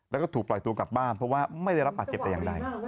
แล้วก็ถูกปล่อยตัวกลับบ้านเพราะว่าไม่ได้รับบาดเจ็บแต่อย่างใด